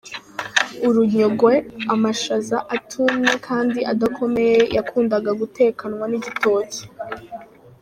Urunyogwe” : Amashaza atumye kandi adakomeye yakundaga gutekanwa n’igitoki.